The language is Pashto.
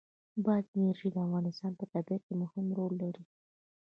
بادي انرژي د افغانستان په طبیعت کې مهم رول لري.